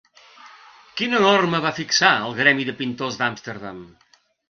Quina norma va fixar el gremi de pintors d'Amsterdam?